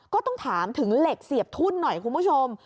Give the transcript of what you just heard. ก็ต้องถามถึงเหล็กเสียบทุ่นหน่อยคุณผู้ชม